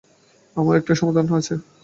আমার একটা সমাধান আছে।